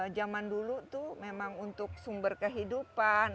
zaman dulu tuh memang untuk sumber kehidupan